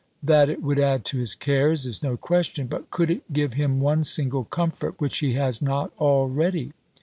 That it would add to his cares, is no question; but could it give him one single comfort which he has not already?